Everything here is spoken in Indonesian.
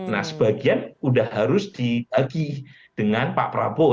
nah sebagian sudah harus dibagi dengan pak prabowo